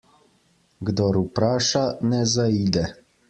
Kdor vpraša, ne zaide.